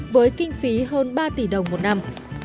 với kinh phí hơn ba tỷ đồng một năm